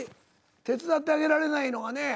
手伝ってあげられないのがねぇ。